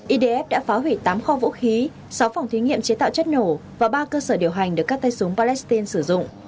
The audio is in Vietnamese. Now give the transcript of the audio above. idf đã phá hủy tám kho vũ khí sáu phòng thí nghiệm chế tạo chất nổ và ba cơ sở điều hành được các tay súng palestine sử dụng